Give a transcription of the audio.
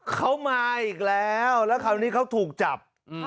เขามาอีกแล้วแล้วคราวนี้เขาถูกจับ